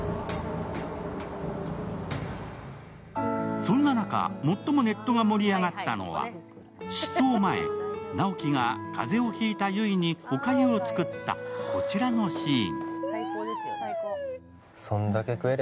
そんな中、最もネットが盛り上がったのは失踪前、直木が風邪をひいた悠依におかゆを作ったこちらのシーン。